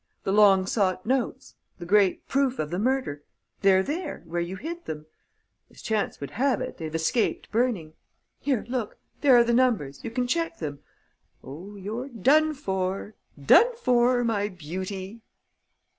The long sought notes, the great proof of the murder: they're there, where you hid them.... As chance would have it, they've escaped burning.... Here, look: there are the numbers; you can check them.... Oh, you're done for, done for, my beauty!"